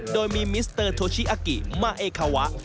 โดยมีมิสเตอร์โทชิอากิมาเอคาวะ